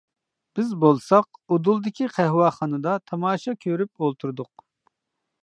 بىز بولساق ئۇدۇلدىكى قەھۋەخانىدا تاماشا كۆرۈپ ئولتۇردۇق.